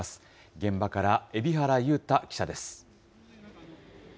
現場から海老原悠太記者です。